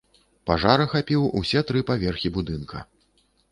Пажар ахапіў усе тры паверхі будынка.